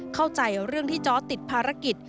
เข้าใจเรื่องที่จอร์สติดภารกิจ